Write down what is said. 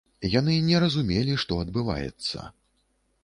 Яны не разумелі, што адбываецца.